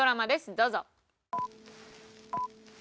どうぞ。